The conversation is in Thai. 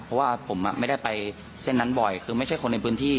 เพราะว่าผมไม่ได้ไปเส้นนั้นบ่อยคือไม่ใช่คนในพื้นที่